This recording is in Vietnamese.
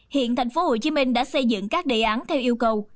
hiện thành phố hồ chí minh đã xây dựng các đề án theo yêu cầu